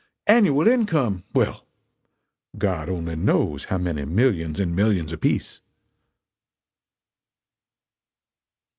Annual income well, God only knows how many millions and millions apiece!"